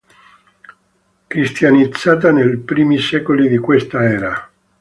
Cristianizzata nei primi secoli di questa era.